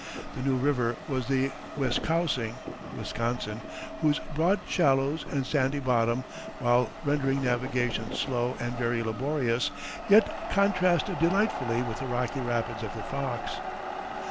The new river was the Weskousing (Wisconsin), whose broad shallows and sandy bottom, while rendering navigation slow and very laborious, yet contrasted delightfully with the rocky rapids of the Fox.